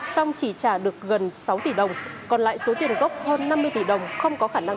xong chỉ trả được gần sáu tỷ đồng còn lại số tiền gốc hơn năm mươi tỷ đồng không có khả năng